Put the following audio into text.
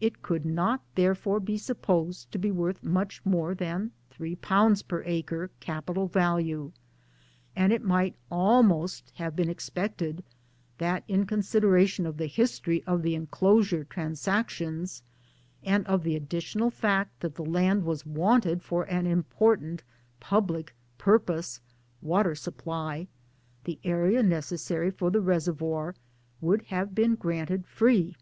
It could not therefore be supposed to be worth much more than 3 per acre, capital value ; and it might almost have been expected that in consideration of the history of the Enclosure transactions, and of the additional fact that the land was wanted for an important public purpose (water supply), the area necessary for the reservoir would have been granted free.